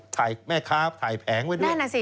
ถ่ายแม่คร้าภถ่ายแผงไว้ด้วยแน่นอนสิ